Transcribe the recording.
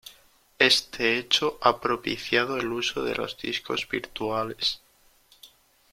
Este hecho ha propiciado el uso de los discos virtuales.